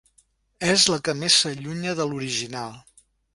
És la que més s'allunya de l'original.